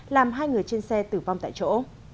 làm hai người trên xe tử vong tại chỗ